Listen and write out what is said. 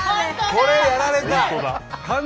これやられた！